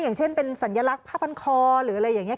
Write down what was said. อย่างเช่นเป็นสัญลักษณ์ผ้าพันคอหรืออะไรอย่างนี้